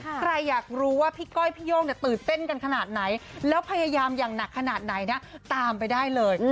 ใครอยากรู้ว่าพี่ก้อยพี่โย่งตื่นเต้นกันขนาดไหนแล้วพยายามอย่างหนักขนาดไหนนะตามไปได้เลย